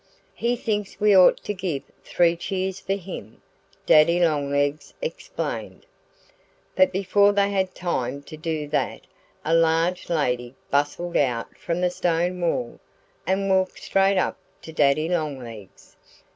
"He thinks we ought to give three cheers for him," Daddy Longlegs explained. But before they had time to do that a large lady bustled out from the stone wall and walked straight up to Daddy Longlegs.